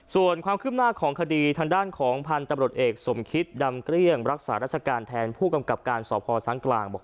ส่วนความขึ้นหน้าของคดีทางด้านของพันธบรรดเอกสมชิตดำเกลี้ยงรักษารัศกาลแทนผู้กำกับการสสศกราชบุร์น